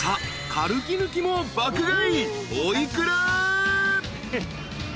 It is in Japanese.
カルキ抜きも爆買い］